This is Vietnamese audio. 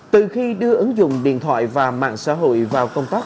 từ khi đưa ứng dụng điện thoại và mạng xã hội vào công tác